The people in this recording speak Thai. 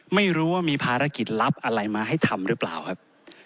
ไม่รู้ว่ามีภารกิจลับอะไรมาให้ทำหรือเปล่าครับ